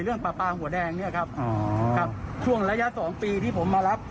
ปลาปลาหัวแดงเนี่ยครับอ๋อครับช่วงระยะสองปีที่ผมมารับ